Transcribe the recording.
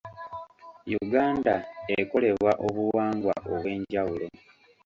Uganda ekolebwa obuwangwa obw'enjawulo.